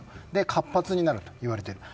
活発になるともいわれている。